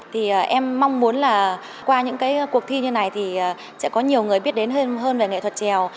thì em mong muốn là qua những cái cuộc thi như này thì sẽ có nhiều người biết đến hơn về nghệ thuật trèo